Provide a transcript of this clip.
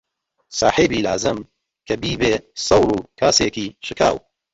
ساحیبی لازم کە بیبێ سەوڵ و کاسێکی شکاو